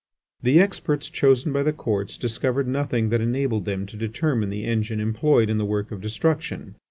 The experts chosen by the courts discovered nothing that enabled them to determine the engine employed in the work of destruction.